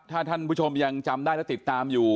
ถ้าท่านผู้ชมยังจำได้และติดตามอยู่